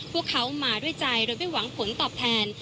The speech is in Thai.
พวกเขามาด้วยใจโดยไม่หวังผลตอบแทน